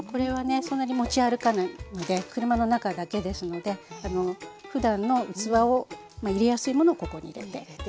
そんなに持ち歩かないので車の中だけですのでふだんの器を入れやすいものをここに入れて。